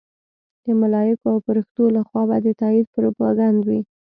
د ملایکو او فرښتو لخوا به د تایید پروپاګند وي.